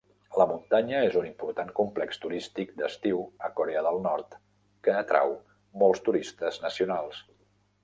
La muntanya és un important complex turístic d'estiu a Corea del Nord que atrau molts turistes nacionals.